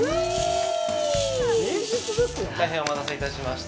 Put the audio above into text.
大変お待たせいたしました。